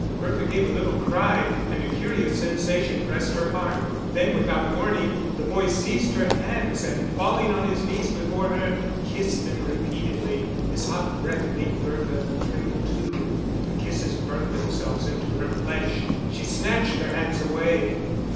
Bertha gave a little cry, and a curious sensation pressed her heart. Then without warning, the boy seized her hands and falling on his knees before her, kissed them repeatedly. His hot breath made Bertha tremble too, and the kisses burnt themselves into her flesh. She snatched her hands away.